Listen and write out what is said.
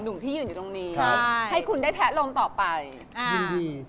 จนถึงสูบครับ๔โมงเย็นเจอกันทุกวันนะครับ